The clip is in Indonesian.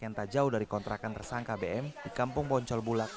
yang tak jauh dari kontrakan tersangka bm di kampung boncol bulak